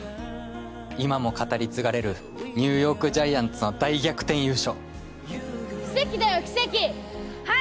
今も語り継がれるニューヨーク・ジャイアンツの大逆転優勝